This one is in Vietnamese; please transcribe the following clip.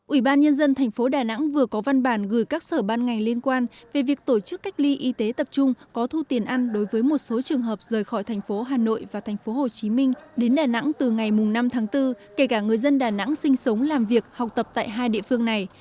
ủy ban nhân dân thành phố đà nẵng vừa có văn bản gửi các sở ban ngành liên quan về việc tổ chức cách ly y tế tập trung có thu tiền ăn đối với một số trường hợp rời khỏi thành phố hà nội và tp hcm đến đà nẵng từ ngày năm tháng bốn kể cả người dân đà nẵng sinh sống làm việc học tập tại hai địa phương này